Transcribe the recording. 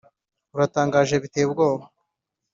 uratangaje biteye ubwoba.